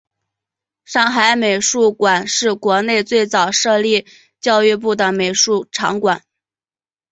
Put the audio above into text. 上海美术馆是国内最早设立教育部的美术场馆。